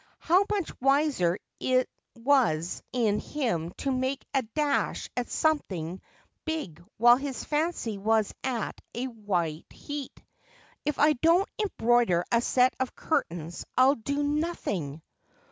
H^ow much wiser it was in him to make a dash at something big while his fancy was at a white heat ! If I don't embroider a set of curtains I'll do nothing.'